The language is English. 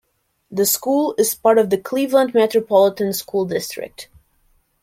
The school is part of the Cleveland Metropolitan School District.